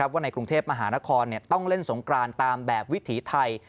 ว่าในกรุงเทพมหานครต้องเล่นสงกรานตามแบบวิถีไทย